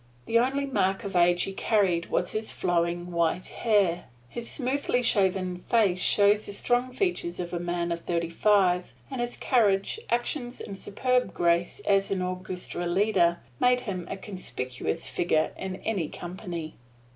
The only mark of age he carried was his flowing white hair. His smoothly shaven face showed the strong features of a man of thirty five; and his carriage, actions and superb grace as an orchestra leader made him a conspicuous figure in any company.